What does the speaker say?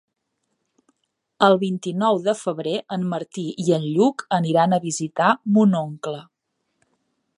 El vint-i-nou de febrer en Martí i en Lluc aniran a visitar mon oncle.